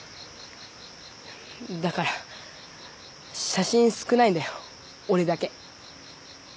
だから写真少ないんだよ俺だけ。